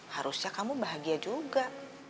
harusnya kamu bahagia juga